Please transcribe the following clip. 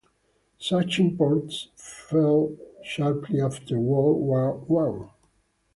Such imports fell sharply after World War One.